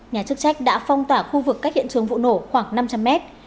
nhà chức trách đã phong tỏa khu vực cách hiện trường vụ nổ khoảng năm trăm linh mét